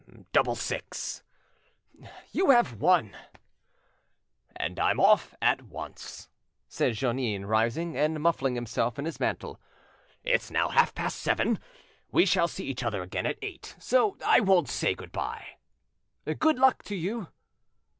"Double six." "You have won." "And I'm off at once," said Jeannin, rising, and muffling himself in his mantle, "It's now half past seven. We shall see each other again at eight, so I won't say good bye." "Good luck to you!"